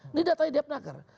ini datanya depp nugger